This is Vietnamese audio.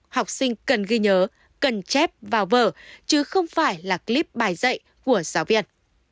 học sinh cần ghi nhớ cần chép vào vở chứ không phải là clip bài dạy của giáo viên